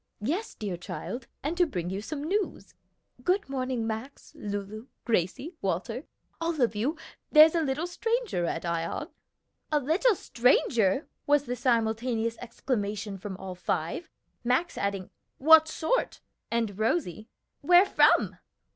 "Yes, dear child, and to bring you some news. Good morning, Max, Lulu, Gracie, Walter all of you there's a little stranger at Ion." "A little stranger!" was the simultaneous exclamation from all five, Max adding, "What sort?" and Rosie, "Where from?"